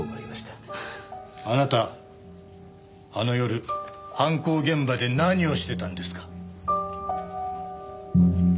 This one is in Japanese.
あなたあの夜犯行現場で何をしてたんですか？